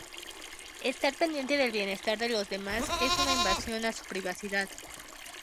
Estar pendiente del bienestar de los demás es una invasión a su privacidad.